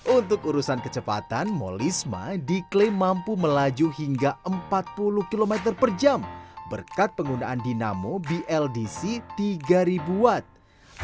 untuk urusan kecepatan molisma diklaim mampu melaju hingga empat puluh km per jam berkat penggunaan dinamo bldc tiga ribu watt